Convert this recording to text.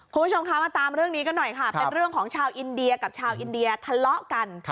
คุณผู้ชมคะมาตามเรื่องนี้กันหน่อยค่ะเป็นเรื่องของชาวอินเดียกับชาวอินเดียทะเลาะกัน